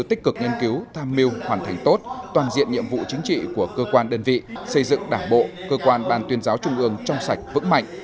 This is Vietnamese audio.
tích cực nghiên cứu tham mưu hoàn thành tốt toàn diện nhiệm vụ chính trị của cơ quan đơn vị xây dựng đảng bộ cơ quan ban tuyên giáo trung ương trong sạch vững mạnh